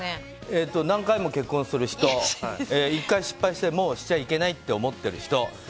何回も結婚する人１回失敗してもうしちゃいけないって思ってる人。